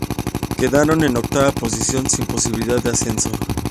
Quedaron en octava posición, sin posibilidades de ascenso.